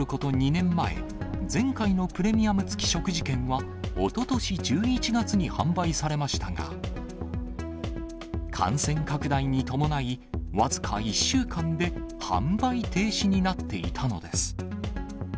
２年前、前回のプレミアム付き食事券は、おととし１１月に販売されましたが、感染拡大に伴い、僅か１週間で販売停止になっていたのです。